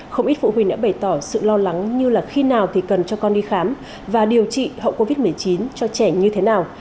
không ít phụ huynh đã bày tỏ sự lo lắng như là khi nào thì cần cho con đi khám và điều trị hậu covid một mươi chín cho trẻ như thế nào